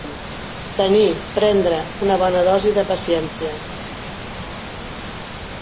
Tenir, prendre, una bona dosi de paciència.